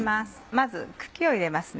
まず茎を入れます。